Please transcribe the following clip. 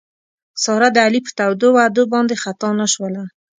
ساره د علي په تودو وعدو باندې خطا نه شوله.